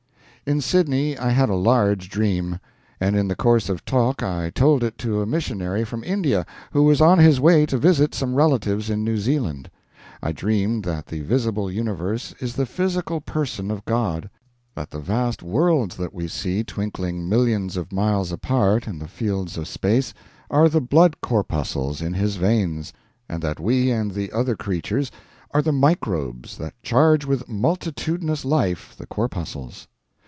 In Sydney I had a large dream, and in the course of talk I told it to a missionary from India who was on his way to visit some relatives in New Zealand. I dreamed that the visible universe is the physical person of God; that the vast worlds that we see twinkling millions of miles apart in the fields of space are the blood corpuscles in His veins; and that we and the other creatures are the microbes that charge with multitudinous life the corpuscles.